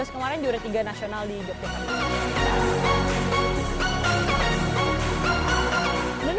dua ribu tujuh belas kemarin juara tiga nasional di yogyakarta